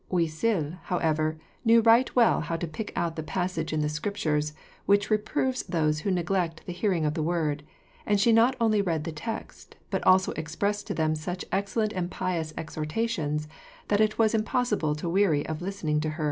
Oisille, however, knew right well how to pick out the passage in the Scriptures, which reproves those who neglect the hearing of the Word, and she not only read the text, but also addressed to them such excellent and pious exhortations that it was impossible to weary of listening to her.